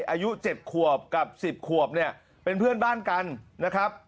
อายุ๗ขวบกับ๑๐ขวบเนี่ยเป็นเพื่อนบ้านกันนะครับ